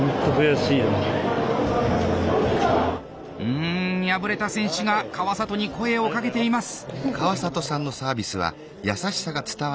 うん敗れた選手が川里に声をかけています。